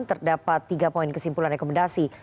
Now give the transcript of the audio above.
terdapat tiga poin kesimpulan rekomendasi